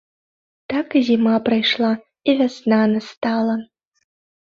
Так і зіма прайшла, і вясна настала.